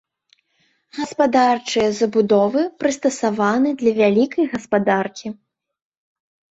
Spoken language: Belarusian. Гаспадарчыя забудовы прыстасаваны для вялікай гаспадаркі.